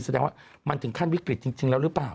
แสดงว่ามันถึงขั้นวิกฤตจริงแล้วหรือเปล่า